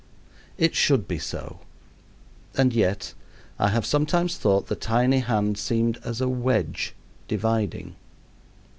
It should be so, and yet I have sometimes thought the tiny hand seemed as a wedge, dividing.